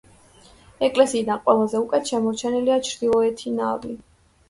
ეკლესიიდან ყველაზე უკეთ შემორჩენილია ჩრდილოეთი ნავი.